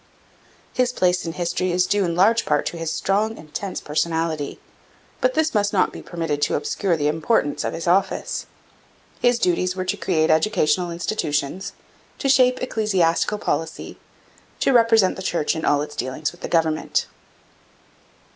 His place in history is due in large part to his strong, intense personality, but this must not be permitted to obscure the importance of his office. His duties were to create educational institutions, to shape ecclesiastical policy, and to represent the Church in all its dealings with the government.